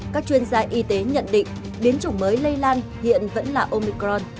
các chuyên gia y tế nhận định biến chủng mới lây lan hiện vẫn là omicron